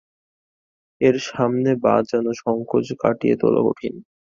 এর সামনে বাজানোর সংকোচ কাটিয়ে তোলা কঠিন।